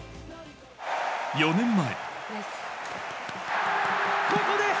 ４年前。